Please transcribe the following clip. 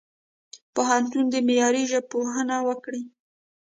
پوهنتون دي معیاري ژبپوهنه وکړي.